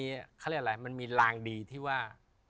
มันมีข้าเรียกอะไรมันมีโรงเรียนดีที่ว่า